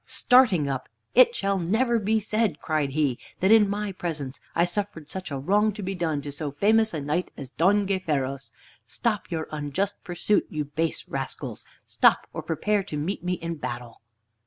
Starting up, "It shall never be said," cried he, "that in my presence I suffered such a wrong to be done to so famous a knight as Don Gayferos. Stop your unjust pursuit, ye base rascals! Stop! or prepare to meet me in battle."